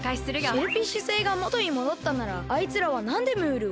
シェルフィッシュ星がもとにもどったならあいつらはなんでムールを？